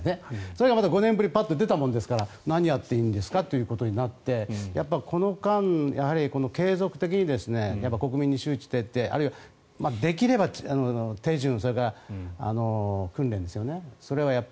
それがまた５年ぶりにパッと出たものですから何をやっていいんですかとなってやっぱりこの間継続的に国民に周知徹底あるいは、できれば手順それから訓練ですよね。